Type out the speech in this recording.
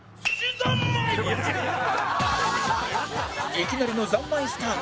いきなりの「ざんまい」スタート